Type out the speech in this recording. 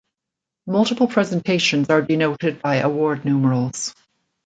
Multiple presentations are denoted by award numerals.